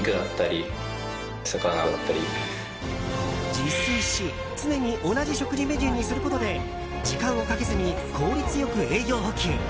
自炊し、常に同じ食事メニューにすることで時間をかけずに効率良く栄養補給。